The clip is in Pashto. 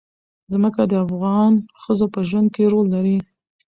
ځمکه د افغان ښځو په ژوند کې رول لري.